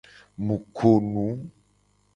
Mu ko nu.